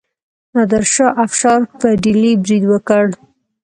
نادر شاه افشار په ډیلي برید وکړ.